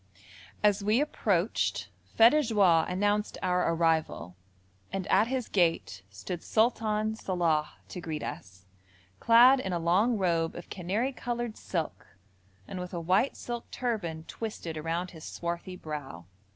As we approached feux de joie announced our arrival, and at his gate stood Sultan Salàh to greet us, clad in a long robe of canary coloured silk, and with a white silk turban twisted around his swarthy brow.